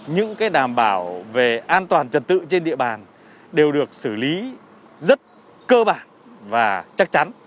những đảm bảo về an toàn trật tự trên địa bàn đều được xử lý rất cơ bản và chắc chắn